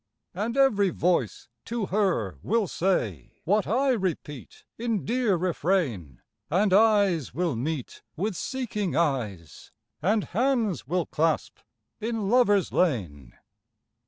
And every voice to her will say What I repeat in dear refrain, And eyes will meet with seeking eyes. And hands will clasp in Lovers' Lane.